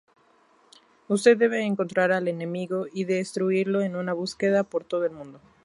Usted debe encontrar al enemigo y destruirlo en una búsqueda por todo el mundo.